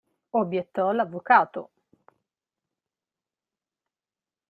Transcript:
Obbiettò l'avvocato.